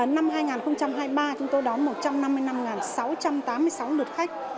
năm hai nghìn hai mươi ba chúng tôi đón một trăm năm mươi năm sáu trăm tám mươi sáu lượt khách